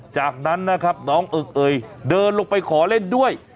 จากนั้นนะครับน้องเอิกเอยเดินลงไปขอเล่นด้วย